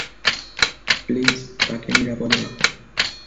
Please তাকে নিরাপদে রাখো।